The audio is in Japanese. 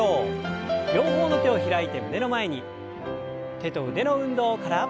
手と腕の運動から。